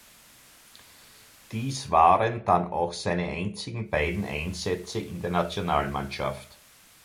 Dies waren dann auch seine einzigen beiden Einsätze in der Nationalmannschaft.